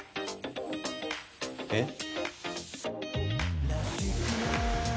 えっ？